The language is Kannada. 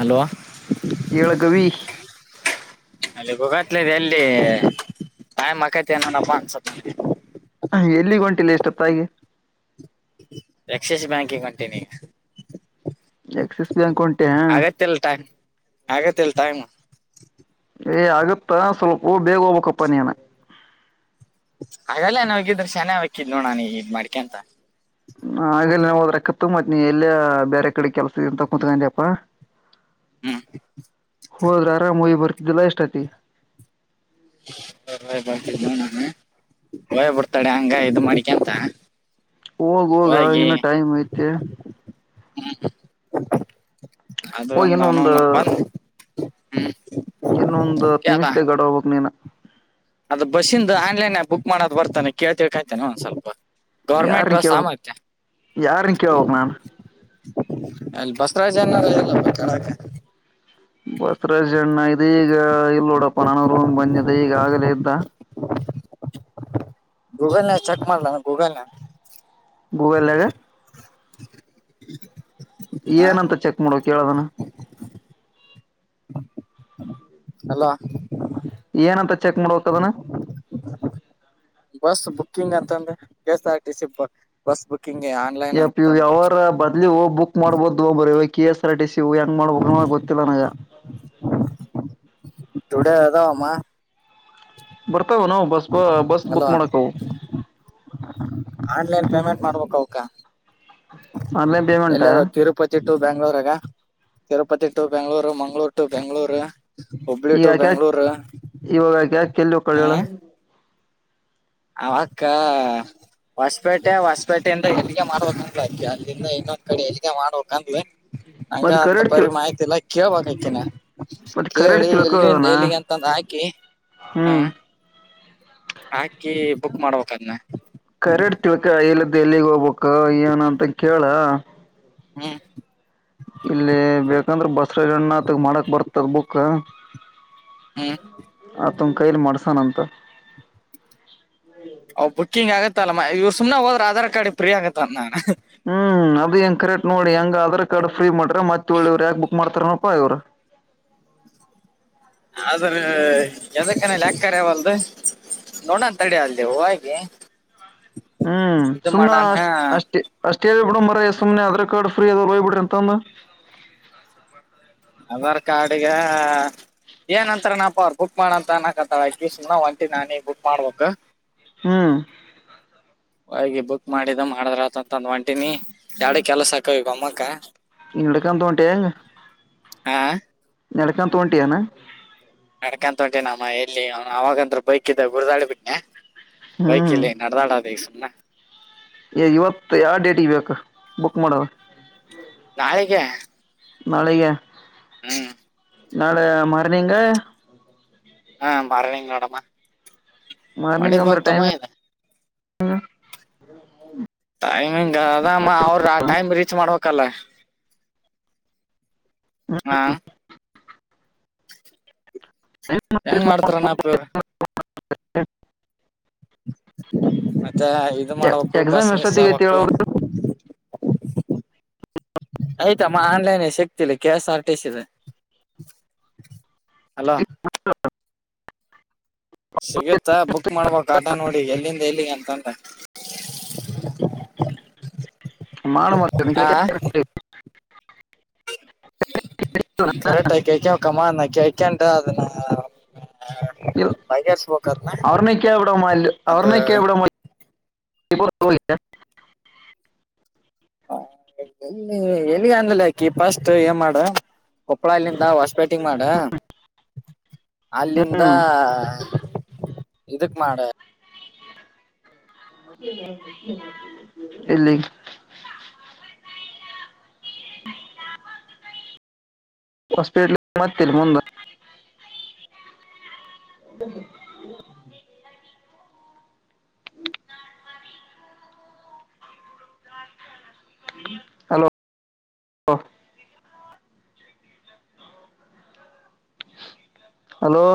ಹಲೋ ಏಳೋ ಕವಿ ಅಲ್ಲಿಗ್ ಹೊಗತ್ಲ್ ಗಲ್ಲಿ ತಾನು ಮಕೊತಿಯಾ ಏನಪ್ಪಾ ಅನ್ಸುತೆ ನನಗೆ ಎಲ್ಲಿಗೆ ಹೊಂಟಿಲ್ಲೆ ಎಷ್ಟೊ ತಾಗಿ ಎಕ್ಸೆಸ್ ಬ್ಯಾಂಕಿಂಗ್ ಹೊಂಟಿನೀ ಎಕ್ಸಿಸ್ ಬ್ಯಾಂಕ್ ಹೊಂಟ್ಯಾ ಹ ಇತ್ತಲ್ ತಯಮ್ಮ ಏ ಆಗುತ್ತಾ ಸ್ವಲ್ಪ ಬೇಗ ಹೋಗ್ಬೇಕಪ್ಪ ನೀನು ಹಾಗಲ್ಲ ನಾವಗಿದ್ರೆ ಶಾನೇ ಹಕ್ಕಿದ್ ನೋಡ ನಾನು ಇದ್ ಮಾಡ್ಕೆಂತ ಹ ಆಗ ಹೋದ್ರಕ್ಕತ್ತು ಮತ್ ನೀ ಎಲ್ಲಿ ಬೇರೆ ಕಡೆ ಕೆಲ್ಸ್ ಇದ್ದೀಯಾ ಅಂತ ಕೂಂತ್ಕೊಡ್ಯಾಪ್ಪ. ಹ್ಮ್ ಹೋದ್ರೆ ಆರಾಮ್ ಹೋಗಿ ಬರ್ತಿದ್ದಿಲ್ಲಾ ಇಷ್ಟೋಂತ್ತಿಗೆ. ಹ ಬಕಿ [unintelligible] ಹಯ್ ಬಿಡ್ತಾಳ ಹಂಗ ಇದು ಮಾಡಿಕ್ಯಾಂತ ಹೋಗ್ ಹೋಗ ಇನ್ನು ಟೈಮ್ ಐತೆ ಹ್ಮ್ ಅದು ಹೋಗಿ ಒಂದು ಇನ್ನೊಂದ ಅನತನು ಹ್ಮ್ ಇನ್ನೊಂದು ಹತ್ತು ಕೇಳ್ದ ನಿಮಿಷ್ ದಾಗ ಗಾಡಿ ಹೋಗಬೇಕ್ ನೀನು ಅದು ಬಸ್ಸಿಂದ ಆನ್ಲೈನ್ ಆಫ್ ಬುಕ್ ಮಾಡದ್ ಬರ್ತಾನೆ ಕೇಳ್ ತಿಳ್ಕಾಯ್ತಿನ್ ಒಂದ್ ಸ್ವಲ್ಪ ಗೌರ್ಮೆಂಟ್ ಯಾರನ್ ಬಸಾ ಕೇಳ್ಬಕ್ ಮಾತ್ಯ ಯಾರನ್ ಕೇಳ್ಬಕ್ ನಾನ್ ಅಲ್ಲಿ ಬಸರಾಜು ಅನ್ನೋರು [unintelligible] ಬಸವರಾಜ್ ಅಣ್ಣ ಇ ಈಗ ಇಲ್ಲ ನೋಡಪ್ಪ ನಾನು ರೂಮ್ ಬಂದಿದೆ ಈಗ ಆಗಲೇ ಇದ್ದ. ಗೂಗಲ್ ನಾಗ ಚೆಕ್ ಮಾಡು ಗೂಗಲ್ ನಗ ಗೂಗಲ್ ನಗ ಹಾ ಏನಂತ ಚೆಕ್ ಮಾಡಬೇಕ್ ಹೇಳು ಅದನ್ನ ಹಲೋ ಏನಂತ ಚೆಕ್ ಮಾಡಬೇಕ್ ಆದ್ದನ ಬಸ್ ಬುಕಿಂಗ್ ಅಂತಂದ್ರೆ K S R T C bus ಬುಕಿ ಯಪ್ ಇ ಯಾವರ ಬಾದ್ಲಿ ಹೋಗ್ ಬುಕ್ ಮಾಡ್ಬೋದು ಇವಾಗ K S R T C ತ್ತಿವು ಹೆಂಗ್ ಮಾಡಬೇಕ್ ಹೋಗ್ ಗೊತ್ತಿಲ್ಲ ನನಗ ಟುಡೇ ಅದಾವಮ್ಮ ಬರ್ತಾವ್ ಏನೋ ಬಸ್ ಬ ಬಸ್ ಬುಕ್ ಅಲ್ವಾ ಮಾಡಕಾವು ಆನ್ಲೈನ್ ಪೇಮೆಂಟ್ ಮಾಡ್ಬೇಕ್ ಅವಕ ಆನ್ಲೈನ್ ಪೇಮೆಂಟ್ ಎಲ್ಲ ತಿರುಪತಿ ಟು ಬೆಂಳೂರ್ಗ ತಿರುಪತಿ ಟು ಬೆಂಗ್ಳೂರು ಮಂಗ್ಗಳೂರು ಟು ಬೆಂಗ್ಗಳೂರು. ಹುಬ್ಳ್ಳಿ ಈಗ ಟು ಯಾಕ ಯಾಕ ಬೆಂಗ್ಳೂರು. ಹ [unintelligible] ಅವಕ್ಕ. ಹೊಸಪೇಟೆ ಹೊಸಪೇಟೆಯಿಂದ ಹೆಲ್ಲಿಗೆ ಮಾಡ್ಬೇಕ ಅಂದ ಅದಕಿ ಅಲ್ಲಿಂದ ಇನ್ನೊಂದ್ ಕಡೆ ಹೆಜಗೆ ಮಾಡ್ಬೇಕಂದಲ. ಹಂಗ ಮತ್ ಅಂತ ಕರೆಡ್ ತಿ ಬರಿ ಮಾಹಿತಿ ಇಲ್ಲ ಕೇಳ್ಬಕ್ಕಿನ. ಮತ್ ಕರೆಡ್ ಕೇಳಿ ಎಲ್ಲಿಂದ ತಿಳ್ಕೋದನ ಎಲ್ಲಿಗೆ ಅಂತಂದು ಹಾಕಿ ಹಾ. ಹ್ಮ್ ಹಾಕಿ ಬುಕ್ ಮಾಡ್ಬೇಕದನ್ನ. ಕರೆಡ್ ತಿಳ್ಕ ಇಲ್ಲದ್ದ ಎಲ್ಲಿಗ್ ಹೋಗ್ಬಕ್ ಏನ ಅಂತ ಕೇಳ. ಹ್ಮ್. ಇಲ್ಲಿ ಬೇಕಂದ್ರೆ ಬಸ್ಸುಗಳನ್ನ ತಗ ಮಾಡಕ್ ಬರ್ತದ ಬುಕ್. ಹ್ಮ್ ಆ ತನ್ ಕೈಲಿ ಮಾಡಡ್ಸಣಂತ. ಅವ ಬುಕಿಂಗ್ ಆಗತ್ತಲ್ಲ ಇವ ಸುಮನೆ ಹೋದ್ರ ಆಧಾರ್ ಕಾರ್ಡ್ ಫ್ರೀ ಆಗತ್ತತ ನಾ. ಹ್ಮ್ ಅದು ಹೆಂಗ ಕರೆಕ್ಟ್ ನೋಡಿ ಹೆಂಗ ಆಧಾರ್ ಕಾರ್ಡ್ಫ್ರೀ ಮಾಡ್ರ ಮತ್ತೆ ಒಳ್ಳಿವ್ ಯಾಕ ಬುಕ್ ಮಾಡತಾರ. ಪಾ ಇವರ. ಆದ್ರ ಯದಕ್ಕನೇಲ್ ಯಾಕ್ಕರ ಅವಾವಲ್ದು. ನೋಡಂತಡ ಅಲ್ಲ ಹೋಗಿ. ಹ್ಮ್ ಇದು ಸುಮ್ ಮಾಡಣ ಅಷ್ಟ ಅಷ್ಟೇ ಅಷ್ಟೇ. ಬಿಡ ಮರ ಎ ಸುಮ್ಮನೆ ಆಧಾರ್ ಕಾರ್ಡ್ ಫ್ರೀ ಅದ ಹೋಗ್ಬಿಡ್ರಿ ಅಂತಂದ. ಅದಾರ್ ಕಾರ್ಡಗ ಏನ್ಂತರ ನಪರ್. ಬುಕ್ ಮಾಡೋಂತ ಅನುಕಾಥಳ ಅಕ್ಕಿ ಒಂಟಿ ನಾನೇ ಬುಕ್ ಮಾಡ್ಬೇಕಕ್. ಹ್ಮ್ ಹೋಗಿ ಬುಕ್ ಮಾಡಿದ ಮಾಡಿದ್ರ ಆತಂತಂದ ಒಂಟಿನಿ ಎರಡ ಕೆಲಸ ಅಕ್ಕವ ಈಗ ಒಮ್ಮಕ. ನಡಕೊಂತ ಹೊಂಟಿ ಈಗ. ಹಾ. ನಡಕೊಂತ ತೋಟಿಯಾನ. ನಡಕಂತ ಹೊಂಟಿ ನಮ್ಮ ಎಲ್ಲಿ ಅವ ಅವಾಗಂದ್ರ ಬೈಕ್ ಇದ್ದ ಗುರ್ದಾಳ ಬಿಟ್ಟನೆ. ಬೈಕ್ ಹ್ಮ್ ಇಲ್ಲ ನಡದಾಡದ ಈ ಸುಮನೆ. ಏ ಇವತ್ತು ಯಾವ ಡೇಟ್ ಇಬೇಕ ಬುಕ್ ಮಾಡ್ರ. ನಾಳೆಗೆ. ನಾಳೆಗೆ. ಹ್ಮ್. ನಾಳೆ ಮಾರ್ನಿಂಗ. ಹಾ ಮಾರ್ನಿಂಗ ನೋಡಮ್ಮ. ಮಳಿ ಮಾರ್ನಿಂಗ್ ಅಂದ್ರ ಬಂತಮ್ಮ ಟೈಮ್ ಇದ ಇಂಗ್. ಟೈಮಿಂಗ್ ಅದಮ್ಮ ಅವ್ರ ಆ ಟೈಮ್ ರೀಚ್ ಮಾಡ್ಬೇಕಲ್ಲ. ಹಾ. ಹೆಂಗ್ [inaudible] ಮಾಡ್ತಾರನಪ್ಪ ಇವ್ರ [inaudible] ಮತ್ತೆ ಇದು ಮಾಡ್ಬೇಕಕ ಬಸ್ ಎಕ್ಸಾಮ್ ಮಿಸ್ ಎಷ್ಟೊತ್ತಿಗೆ ಐತಿ ಆಗ್ಬೇಕ. ಹೇಳ ಆಯ್ತಮ್ಮ ಆನ್ಲೈನ್ ಸಿಕ್ತಿಲ್ಲ K S R T C ದ. ಅಲೋ. ಸಿಗುತ್ತಾ ಬುಕ್ ಮಾಡ್ಬೇಕಕ್ ಆಟ ನೋಡಿ ಎಲ್ಲಿಂದ ಎಲ್ಲಿಗೆ ಅಂತಾಂದ. [inaudible] [unintelligible] [unintelligible] ಇ ಬಗೆಹರಿಸಬೇಕು ಅದನ್ನ ಅವ್ರನ ಕೇಳಿ ಬಿಡಮ ಅದ ಅವ್ರನ ಕೇಳಿಬಿಡಮಾ. [unintelligible] ಹ ಎಲ್ಲಿ ಎಲ್ಲಿ ಅಂದ್ರಲೆ ಯಾಕಿ ಪಸ್ಟ್ ಏನ್ ಮಾಡ. ಕೊಪ್ಪಳ ಇಲ್ಲಿಿಂದ ಹೊಸಪೇಟೆಗ ಮಾಡ. ಅಲ್ಲಿಂದ ಹ್ಮ್ ಇದಕ್ ಮಾಡ. ಇಲ್ಲಿ ಹಾಸ್ಪಿಟಲ್ ಮತ್ತ ಮುಂದ. ಹ [unintelligible] [inaudible] ಹಲೋ ಹಲೋ